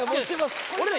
俺ら。